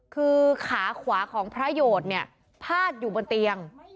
คือขาขวาของพระโยชน์เนี่ยพาดอยู่บนเตียง